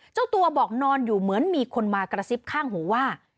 เจ้าตัวบอกนอนอยู่เหมือนมีคนมากระซิบข้างหูว่า